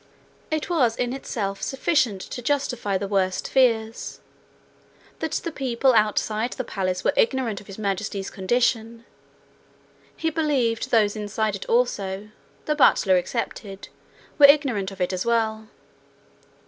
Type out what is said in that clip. It was in itself sufficient to justify the worst fears, that the people outside the palace were ignorant of His Majesty's condition: he believed those inside it also the butler excepted were ignorant of it as well.